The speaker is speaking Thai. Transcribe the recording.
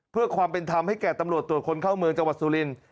เพื่อความเป็นธรรมให้แก่ตำรวจตรวจคนเข้าเมืองจังหวัดสุรินทร์